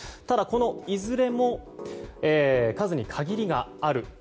ただ、このいずれも数に限りがある。